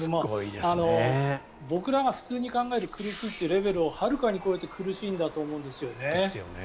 僕らが普通に考える苦しいというレベルをはるかに超えて苦しいんだと思うんですよね。